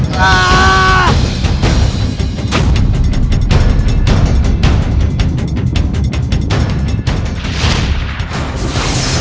kasih tau saya